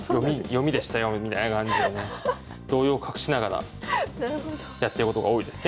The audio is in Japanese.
読みでしたよみたいな感じでね動揺を隠しながらやってることが多いですね。